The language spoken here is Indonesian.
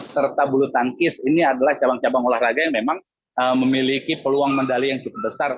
serta bulu tangkis ini adalah cabang cabang olahraga yang memang memiliki peluang medali yang cukup besar